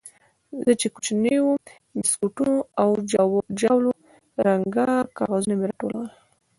زه چې کوچنى وم د بيسکوټو او ژاولو رنګه کاغذان مې راټولول.